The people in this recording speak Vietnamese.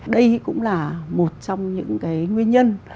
đây cũng là một trong những cái nguyên nhân